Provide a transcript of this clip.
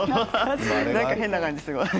なんか変な感じするわ。